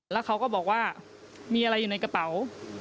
แล้วเขาก็บอกว่ามีอะไรอยู่ในกระเป๋า